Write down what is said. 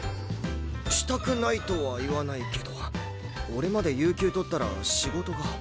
したくないとは言わないけど俺まで有休取ったら仕事が。